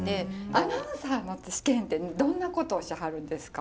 アナウンサーの試験ってどんなことをしはるんですか？